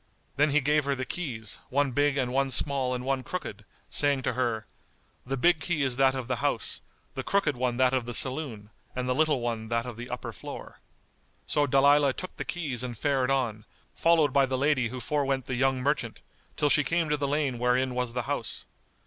Then he gave her the keys, one big and one small and one crooked, saying to her "The big key is that of the house, the crooked one that of the saloon and the little one that of the upper floor." So Dalilah took the keys and fared on, followed by the lady who forwent the young merchant, till she came to the lane wherein was the house.